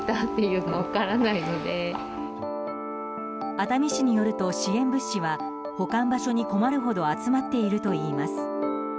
熱海市によると支援物資は保管場所に困るほど集まっているといいます。